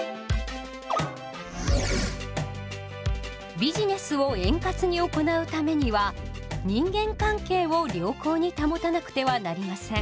ビジネスを円滑に行うためには人間関係を良好に保たなくてはなりません。